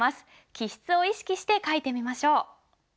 起筆を意識して書いてみましょう。